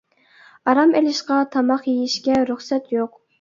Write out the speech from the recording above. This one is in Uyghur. ئارام ئېلىشقا، تاماق يېيىشكە رۇخسەت يوق!